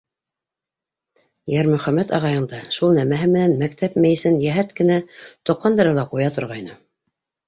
— Йәрмөхәмәт ағайың да шул нәмәһе менән мәктәп мейесен йәһәт кенә тоҡандыра ла ҡуя торғайны.